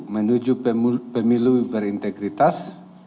menuju pemilu berintegritas